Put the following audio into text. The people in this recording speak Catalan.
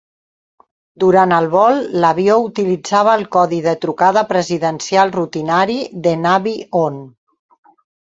Durant el vol, l'avió utilitzava el codi de trucada presidencial rutinari de "Navy One".